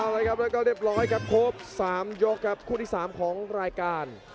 แล้วอีก๓ยกครับคู่ที่สามของรายการ